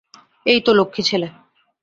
এইতো, লক্ষ্মী ছেলে।